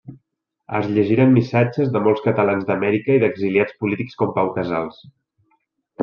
Es llegiren missatges de molts catalans d'Amèrica i d'exiliats polítics com Pau Casals.